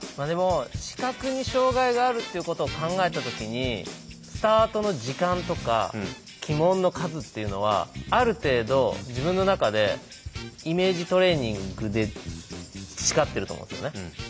でも視覚に障害があるっていうことを考えた時にスタートの時間とか旗門の数っていうのはある程度自分の中でイメージトレーニングで培ってると思うんですよね。